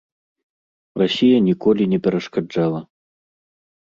Расія ніколі не перашкаджала.